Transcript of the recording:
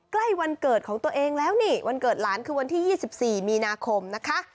ใกล้วันเกิดของตัวเองแล้วนี่วันเกิดหลานคือวันที่๒๔มีนาคมนะคะ